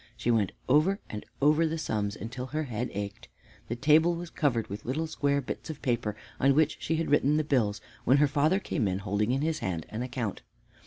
She went over and over the sums until her head ached. The table was covered with little square bits of paper on which she had written the bills when her father came in, holding in his hand an account.